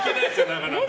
なかなか。